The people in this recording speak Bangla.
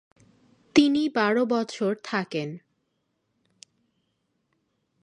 তিনি বারো বছর থাকেন।